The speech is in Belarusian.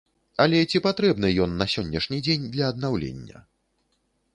Але ці патрэбны ён на сённяшні дзень для аднаўлення?